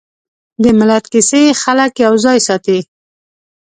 د ملت کیسې خلک یوځای ساتي.